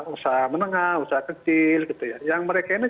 usaha menengah usaha kecil yang mereka ini